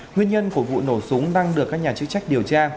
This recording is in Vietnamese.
nguyên nhân của vụ nổ súng đang được các nhà chức trách điều tra